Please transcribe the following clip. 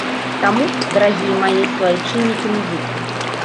Таму, дарагія мае суайчыннікі-музыкі!